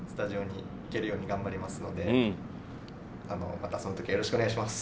またその時よろしくお願いします。